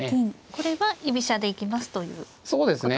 これは居飛車で行きますということですね。